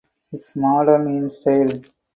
It is Moderne in style.